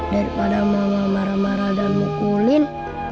daripada mau marah marah dan mukulin